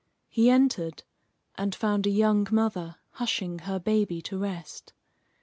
He entered and found a young mother hushing her baby to rest.